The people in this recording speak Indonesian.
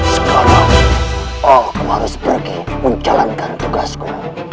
sekarang aku harus pergi menjalankan tugasku